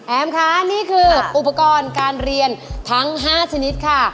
ค่ะนี่คืออุปกรณ์การเรียนทั้ง๕ชนิดค่ะ